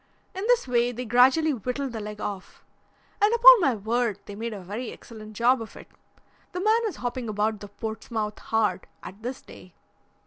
In this way they gradually whittled the leg off, and upon my word they made a very excellent job of it. The man is hopping about the Portsmouth Hard at this day.